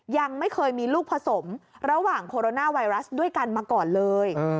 ยังไม่เคยมีลูกผสมระหว่างโคโรนาไวรัสด้วยกันมาก่อนเลย